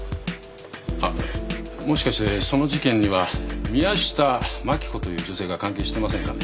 あっもしかしてその事件には宮下真紀子という女性が関係してませんかね？